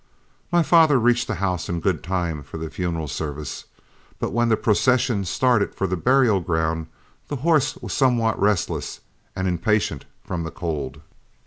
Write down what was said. "My father reached the house in good time for the funeral services, but when the procession started for the burial ground, the horse was somewhat restless and impatient from the cold.